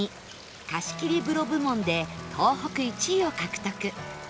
貸切風呂部門で東北１位を獲得